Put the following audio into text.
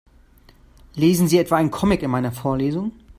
Lesen Sie etwa einen Comic in meiner Vorlesung?